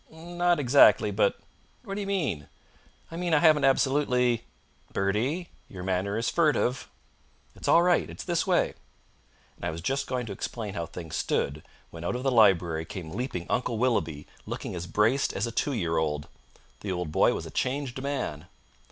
"Not exactly; but " "What do you mean?" "I mean I haven't absolutely " "Bertie, your manner is furtive!" "It's all right. It's this way " And I was just going to explain how things stood when out of the library came leaping Uncle Willoughby looking as braced as a two year old. The old boy was a changed man.